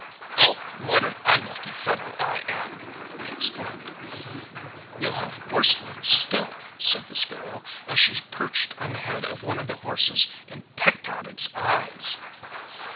'Oh! what an unlucky fellow I am!' he exclaimed. 'You'll have worse luck still,' said the sparrow, as she perched on the head of one of the horses and pecked out its eyes.